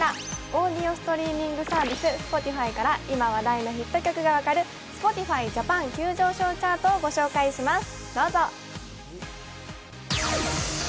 オーディオストリーミングサービス、Ｓｐｏｔｉｆｙから今話題のヒット曲が分かるＳｐｏｔｉｆｙＪａｐａｎ急上昇ソングを御紹介します。